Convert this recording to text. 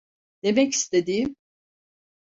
Demek istediğim...